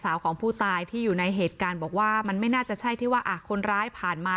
สาวของผู้ตายที่อยู่ในเหตุการณ์บอกว่ามันไม่น่าจะใช่ที่ว่าอ่ะคนร้ายผ่านมา